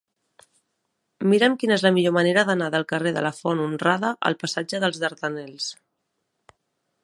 Mira'm quina és la millor manera d'anar del carrer de la Font Honrada al passatge dels Dardanels.